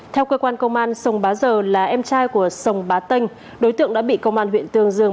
theo cơ quan công an sông bá giờ là em trai của sông bá tinh đối tượng đã bị công an huyện tương dương